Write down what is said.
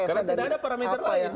karena tidak ada parameter lain